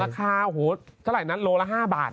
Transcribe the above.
ราคาโอ้โหสาหร่ายนั้นโลละ๕บาท